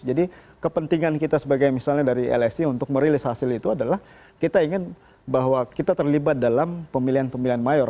jadi kepentingan kita sebagai misalnya dari lsi untuk merilis hasil itu adalah kita ingin bahwa kita terlibat dalam pemilihan pemilihan mayor